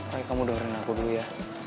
tapi kamu dengerin aku dulu ya